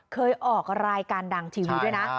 เคยออกรายการดังทีวีด้วยนะ